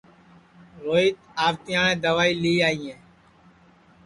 روہیت آوتیاٹؔے دئوائی لی آئیئے